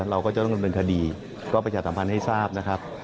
เราก็จะต้องกำลังเป็นคดีก็ไปจัดสัมพันธ์ให้ทราบนะครับ